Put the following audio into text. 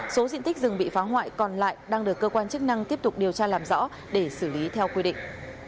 số diện tích rừng bị phá hoại còn lại đang được cơ quan chức năng tiếp tục điều tra làm rõ để xử lý theo quy định